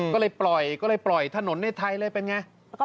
ก็เลยปล่อยถนนในไทยเลยเป็นอย่างไร